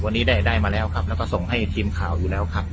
วันนี้ได้มาแล้วครับแล้วก็ส่งให้ทีมข่าวอยู่แล้วครับ